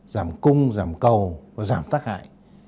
giảm cung giảm cầu và giảm tác hại